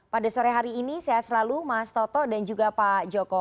pada sore hari ini saya selalu mas toto dan juga pak joko